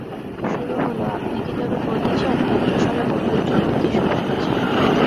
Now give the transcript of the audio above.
শুরু হল–আপনি কি তবে বলতে চান–তীব্রস্বরে বলে উঠলুম–কিছু বলতে চাই নে।